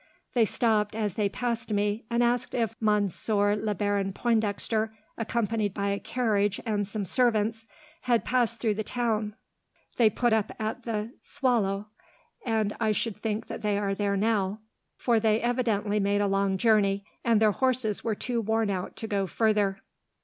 They stopped, as they passed me, and asked if Monsieur le Baron Pointdexter, accompanied by a carriage and some servants, had passed through the town. They put up at the Soleil, and I should think that they are there now, for they had evidently made a long journey, and their horses were too worn out to go farther."